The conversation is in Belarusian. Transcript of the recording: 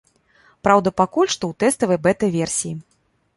Праўда, пакуль што ў тэставай бэта-версіі.